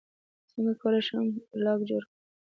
څنګه کولی شم ښه بلاګ جوړ کړم